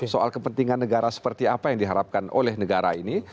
soal kepentingan negara seperti apa yang diharapkan oleh negara ini